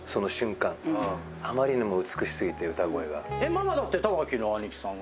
ママだって玉置の兄貴さんは。